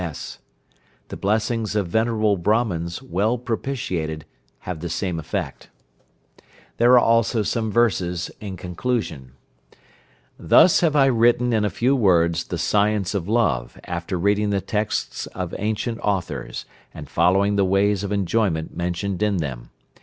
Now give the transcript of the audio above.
(s). The blessings of venerable Brahmans, well propitiated, have the same effect. There are also some verses in conclusion: "Thus have I written in a few words the 'Science of love,' after reading the texts of ancient authors, and following the ways of enjoyment mentioned in them."